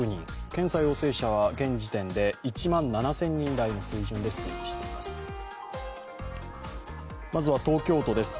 検査陽性者は現時点で１万７０００人台の水準で推移しています。